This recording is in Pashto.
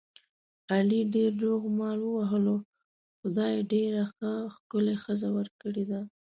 علي ډېر روغ مال ووهلو، خدای ډېره ښه ښکلې ښځه ور کړې ده.